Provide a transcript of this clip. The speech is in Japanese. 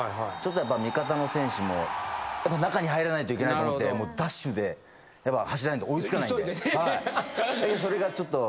味方の選手も中に入らないといけないと思ってダッシュで走らないと追いつかないんで。